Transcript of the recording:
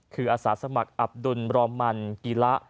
คืออาสาสมัครอับดุลบรอมันกีระ